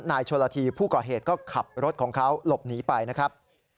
ชนละทีผู้ก่อเหตุก็ขับรถของเขาหลบหนีไปนะครับ